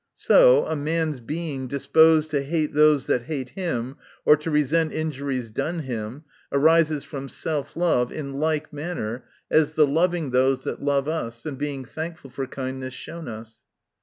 So, a man's being disposed to hate those that hate him, or to resent injuries done him, arises from self love in like manner as the loving those that love us, and being thankful for kindness shown us.